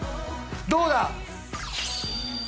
どうだ？